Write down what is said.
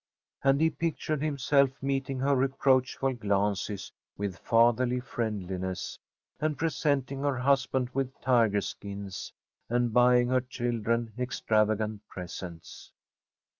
And he pictured himself meeting her reproachful glances with fatherly friendliness, and presenting her husband with tiger skins, and buying her children extravagant presents.